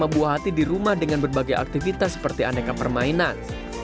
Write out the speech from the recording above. banyak juga waktu bersama buah hati di rumah dengan berbagai aktivitas seperti aneka permainan